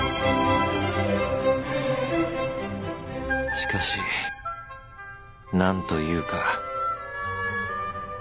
しかし何というか